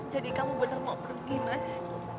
jadi kamu benar mau pergi mas